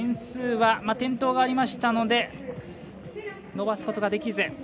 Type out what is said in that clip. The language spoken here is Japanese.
点数は、転倒がありましたので伸ばすことはできず。